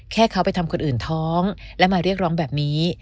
แค่เขาไปทำคนอื่นท้องและมาเรียกร้องแบบนี้